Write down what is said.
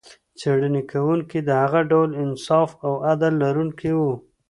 څېړنې کوونکي د هغه ډول انصاف او عدل لرونکي و.